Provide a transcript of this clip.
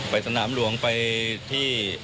สนามหลวงไปที่